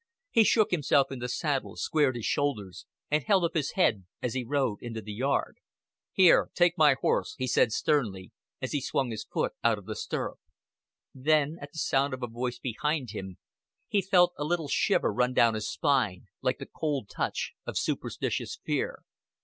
He shook himself in the saddle, squared his shoulders, and held up his head as he rode into the yard. "Here, take my horse," he said sternly, as he swung his foot out of the stirrup. Then, at the sound of a voice behind him, he felt a little shiver run down his spine, like the cold touch of superstitious fear.